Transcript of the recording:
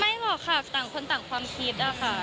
หรอกค่ะต่างคนต่างความคิดอะค่ะ